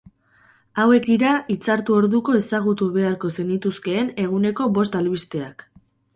Hauek dira itzartu orduko ezagutu beharko zenituzkeen eguneko bost albisteak.